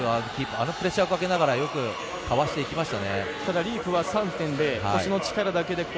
あのプレッシャーかけながらよくかわしていきました。